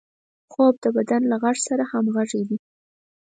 خوب د بدن له غږ سره همغږي ده